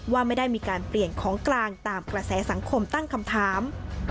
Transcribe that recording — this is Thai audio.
ว่าไม่ได้มีการเปลี่ยนของกลางตามกระแสสังคมตั้งคำถาม